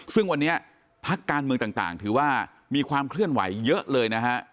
ซึ่งวันนี้พักการเมืองต่างถือว่ามีความเคลื่อนไหวเยอะเลยนะฮะ